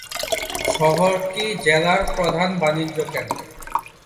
শহরটি জেলার প্রধান বাণিজ্য কেন্দ্র।